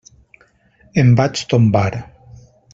Em vaig tombar.